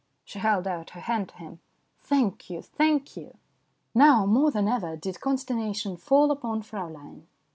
She held out her hand to him. " Thank you, thank you !" Now, more than ever, did consternation fall upon Fraulein.